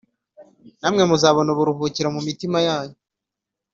namwe muzabona uburuhukiro mu mitima yanyu